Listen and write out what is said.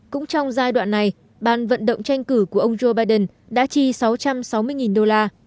cũng trong giai đoạn này bàn vận động tranh cử của ông joe biden đã chi sáu trăm sáu mươi đô la